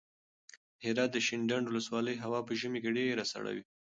د هرات د شینډنډ ولسوالۍ هوا په ژمي کې ډېره سړه وي.